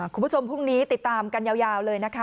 คุณผู้ชมพรุ่งนี้ติดตามกันยาวเลยนะคะ